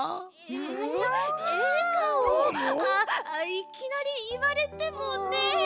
いきなりいわれてもねえ。